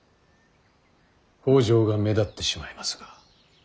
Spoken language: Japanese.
北条が目立ってしまいますが。